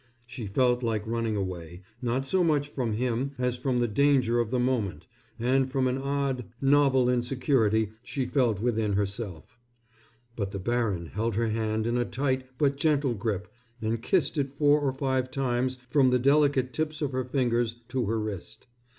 She felt like running away, not so much from him as from the danger of the moment and from an odd, novel insecurity she felt within herself. But the baron held her hand in a tight but gentle grip and kissed it four or five times from the delicate tips of her fingers to her wrist.